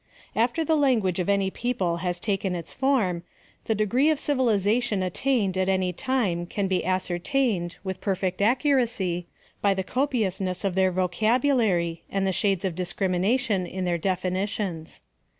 After the language of any people has taken its form, the degree of civilization attained at any time can be ascertained, with perfect accuracy, by rhe copiousness of their vocabulary and the shades of discrimination in their definitions.